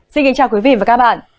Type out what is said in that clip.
xin kính chào quý vị và các bạn